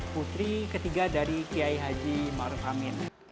putri ketiga dari kiai haji ma'ruf amin